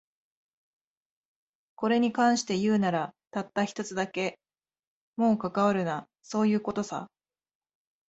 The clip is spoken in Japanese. これに関して言うなら、たった一つだけ。もう関わるな、そういう事さ。